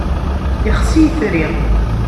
Yexsi yitri.